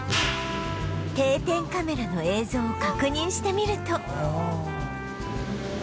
定点カメラの映像を確認してみると